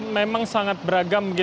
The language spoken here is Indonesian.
memang sangat beragam